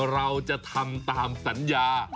เราจะทำตามสัญญา